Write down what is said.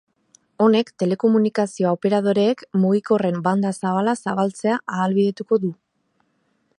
Honek telekomunikazioa operadoreek mugikorren banda zabala zabaltzea ahalbidetuko du.